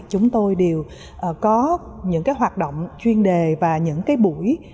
chúng tôi đều có những cái hoạt động chuyên đề và những cái buổi